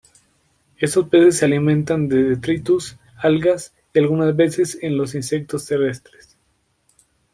Estos peces se alimentan de detritus, algas, y algunas veces en los insectos terrestres.